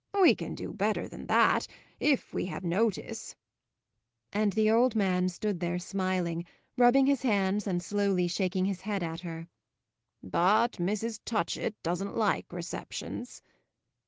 "We can do better than that if we have notice!" And the old man stood there smiling, rubbing his hands and slowly shaking his head at her. "But Mrs. Touchett doesn't like receptions."